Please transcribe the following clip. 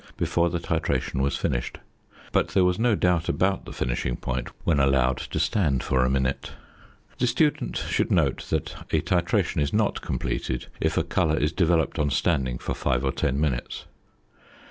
before the titration was finished, but there was no doubt about the finishing point when allowed to stand for a minute. The student should note that a titration is not completed if a colour is developed on standing for five or ten minutes.